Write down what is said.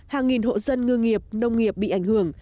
hàng nghìn hộ dân ngư nghiệp nông nghiệp bị ảnh hưởng